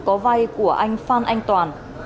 có vai của anh phan anh toàn